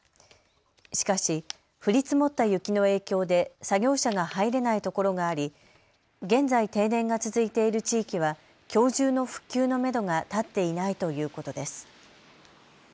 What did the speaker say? しかし降り積もった雪の影響で作業車が入れないところがあり現在、停電が続いている地域はきょう中の復旧のめどが立っていないということです。